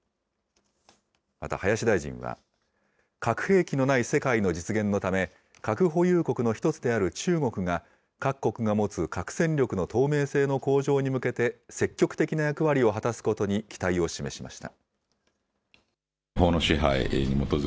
また林大臣は、核兵器のない世界の実現のため、核保有国の一つである中国が、各国が持つ核戦力の透明性の向上に向けて積極的な役割を果たすことに期待を示しました。